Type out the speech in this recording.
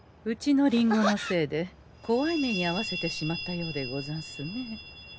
うちのリンゴのせいでこわい目にあわせてしまったようでござんすね。